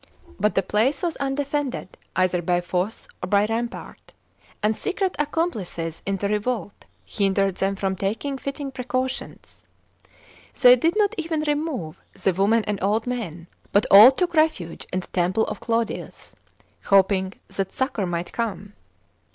But the place vTCS undefended either by fosse or by rampart ; and secret accomplices in the revolt hindered them from taking fitting pre cautionrjo They did not even remove the women and old men, but all fcooli I'oftige in the temple of Claudius, hoping that succour noighft come.